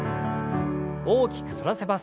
大きく反らせます。